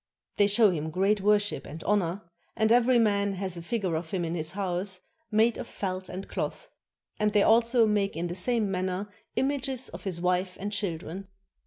They show him great worship and honor, and every man hath a figure of him in his house, made of felt and cloth; and they also make in the same manner images of his wife and children.